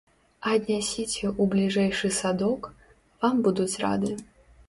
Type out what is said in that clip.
Аднясіце ў бліжэйшы садок, вам будуць рады.